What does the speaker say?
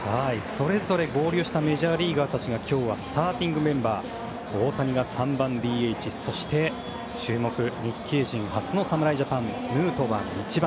それぞれ合流したメジャーリーガーたちが今日はスターティングメンバー大谷が３番ＤＨ注目、日系人初の侍ジャパンヌートバーが１番。